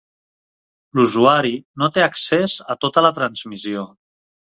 L'usuari no té accés a tota la transmissió.